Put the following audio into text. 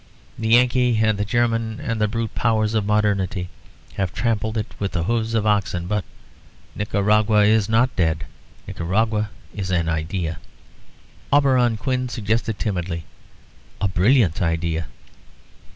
"The Yankee and the German and the brute powers of modernity have trampled it with the hoofs of oxen. But Nicaragua is not dead. Nicaragua is an idea." Auberon Quin suggested timidly, "A brilliant idea."